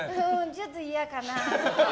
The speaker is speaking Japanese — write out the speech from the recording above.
ちょっと嫌かな。